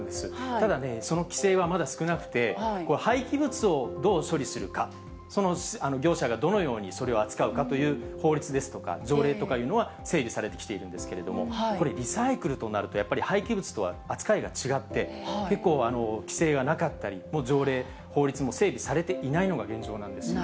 ただね、その規制はまだ少なくて、廃棄物をどう処理するか、その業者がどのようにそれを扱うかという法律ですとか、条例とかというのは整備されてきているんですけれども、これ、リサイクルとなると、やっぱり廃棄物とは扱いが違って、結構、規制がなかったり、条例、法律も整備されていないのが現状なんですよね。